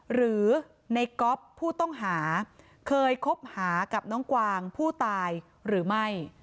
หรือในก๊อฟผู้ต้องหาเคยคบหากับน้องกวางผู้ตายหรือไม่